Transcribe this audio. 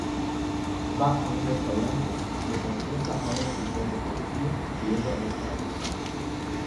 Va a un restaurante, le confiesa a un oficial de policía y es arrestado.